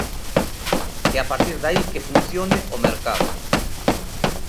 E a partir de aí que funcione o mercado.